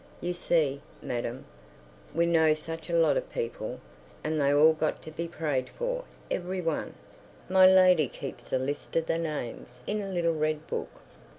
You see, madam, we know such a lot of people, and they've all got to be prayed for—every one. My lady keeps a list of the names in a little red book.